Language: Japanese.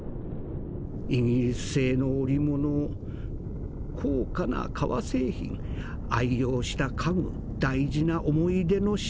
イギリス製の織物高価な革製品愛用した家具大事な思い出の品。